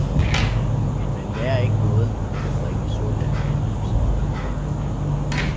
men man lærer ikke Noget, der kan bringe Suppe af en Pølsepind.